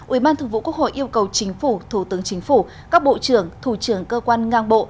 ủy ban thường vụ quốc hội yêu cầu chính phủ thủ tướng chính phủ các bộ trưởng thủ trưởng cơ quan ngang bộ